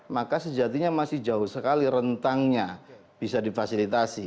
maka sejatinya masih jauh sekali rentangnya bisa difasilitasi